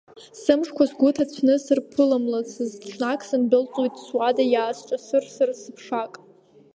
Сымшқәа сгәы ҭацәны сырԥымлаӡацт ҽнак, сындәылҵуеит суада иаасҿасырсырц ԥшак…